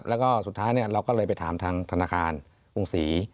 แล้วก็สุดท้ายเราก็เลยไปถามทางธนาคารกรุงศรี